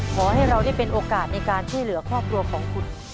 ขอให้เราได้เป็นโอกาสในการช่วยเหลือครอบครัวของคุณ